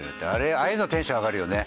ああいうのテンション上がるよね。